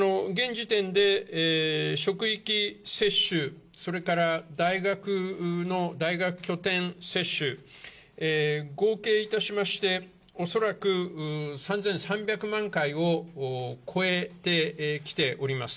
現時点で、職域接種それから大学の大学拠点接種合計致しましておそらく３３００万回を超えてきております。